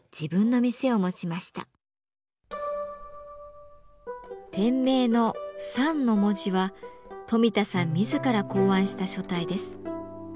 店名のサンの文字は冨田さん自ら考案した書体です。